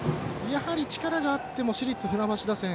やはり、力があっても市立船橋打線